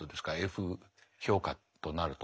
Ｆ評価となると。